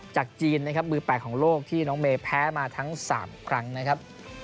จากจีนนะครับมือ๘ของโลกที่น้องเมย์แพ้มาทั้ง๓ครั้งนะครับ